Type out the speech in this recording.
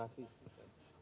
ada yang ingin disampaikan